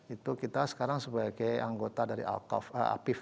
itu kita sekarang sebagai anggota dari apiv